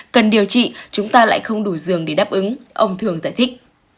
cần điều trị chúng ta lại không đủ giường để đáp ứng ông thường giải thích